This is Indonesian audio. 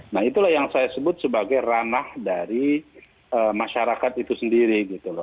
nah itulah yang saya sebut sebagai ranah dari masyarakat itu sendiri gitu loh